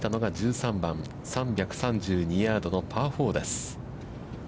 ３３２ヤードのパー４です。